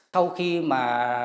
sau khi mà